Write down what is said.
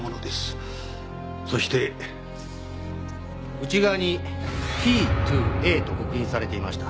内側に「ＴｔｏＡ」と刻印されていました。